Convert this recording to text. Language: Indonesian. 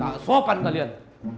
tak tak sopan kalian